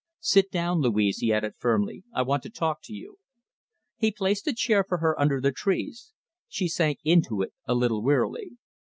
Sit down, Louise," he added firmly. "I want to talk to you." He placed a chair for her under the trees. She sank into it a little wearily.